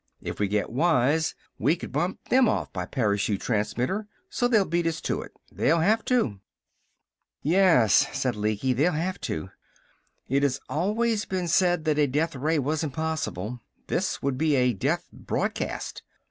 "If we get wise, we could bump them off by parachute transmitter. So they'll beat us to it. They'll have to!" "Yes," said Lecky. "They'll have to. It has always been said that a death ray was impossible. This would be a death broadcast.